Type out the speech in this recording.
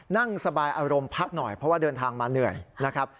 นั่งสบายอารมณ์พักหน่อยเพราะว่าเดินทางมาเหนื่อยนะครับ